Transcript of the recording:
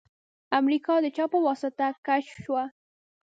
امریکا د چا په واسطه کشف شوه؟